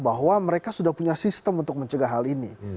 bahwa mereka sudah punya sistem untuk mencegah hal ini